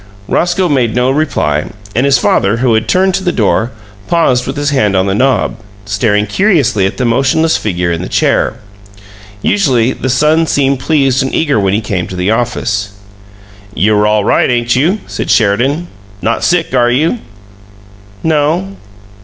Roscoe made no reply; and his father, who had turned to the door, paused with his hand on the knob, staring curiously at the motionless figure in the chair. Usually the son seemed pleased and eager when he came to the office. "You're all right, ain't you?" said Sheridan. "Not sick, are you?" "No."